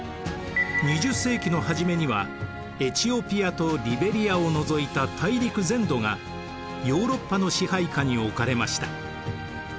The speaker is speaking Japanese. ２０世紀の初めにはエチオピアとリベリアを除いた大陸全土がヨーロッパの支配下に置かれました。